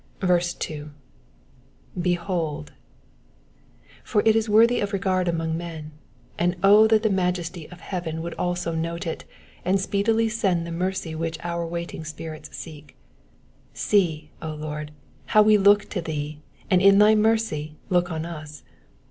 2. ^''Behold ^^— for it is worthy of regard among men, and O that the Majesty of heaven would also note it, and speedily send the mercy which our waiting spirits seek. See, O Lord, how we look to thee, and in thy mercy look on us.